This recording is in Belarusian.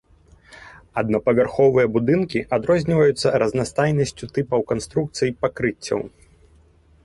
Аднапавярховыя будынкі адрозніваюцца разнастайнасцю тыпаў канструкцый пакрыццяў.